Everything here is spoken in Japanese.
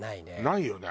ないよね？